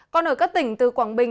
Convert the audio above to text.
còn ở các tỉnh từ quảng bình